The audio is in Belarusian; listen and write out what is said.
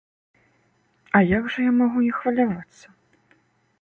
А як жа я магу не хвалявацца?